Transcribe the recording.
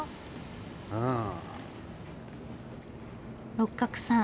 六角さん